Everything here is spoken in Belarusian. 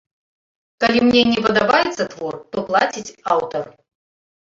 Калі мне не падабаецца твор, то плаціць аўтар.